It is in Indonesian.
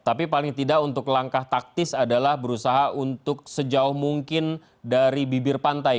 tapi paling tidak untuk langkah taktis adalah berusaha untuk sejauh mungkin dari bibir pantai